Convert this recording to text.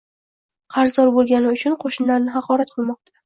Qarzdor bo'lgani uchun qo'shnilarini haqorat qilmoqda.